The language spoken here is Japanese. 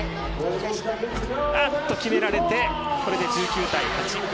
あっと決められてこれで１９対８。